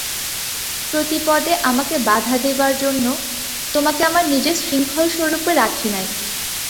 প্রতিপদে আমাকে বাধা দিবার জন্য, তােমাকে আমার নিজের শৃঙ্খলস্বরূপে রাখি নাই।